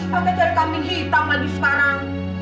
pakai cuara kambing hitam lagi sekarang